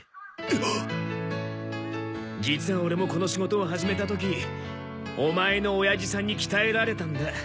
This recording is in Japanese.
実はオレもこの仕事を始めた時オマエのおやじさんに鍛えられたんだ。